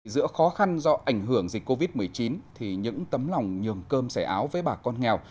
giữa khó khăn do ảnh hưởng dịch covid một mươi chín thì những tấm lòng nhường cơm sẻ áo với bà con nghèo